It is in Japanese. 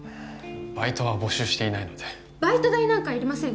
バイトは募集していないのでバイト代なんかいりません